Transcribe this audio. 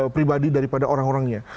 pribadi daripada orang orangnya